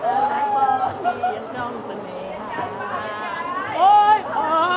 และบอกว่าทียังจ้องกันเอง